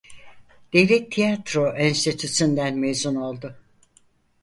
Devlet Tiyatro Enstitüsü'nden mezun oldu.